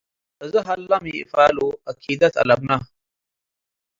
አዜ ሀለ ሚ ኢፋሉመ አኪደቱ አለብነ ።